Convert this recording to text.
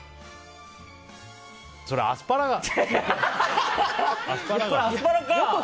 それアスパラガス！